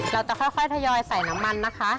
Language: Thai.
เราจะค่อยทยอยใส่น้ำมันนะคะ